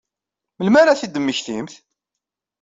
Melmi ara ad t-id-temmektimt?